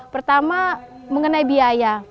pertama mengenai biaya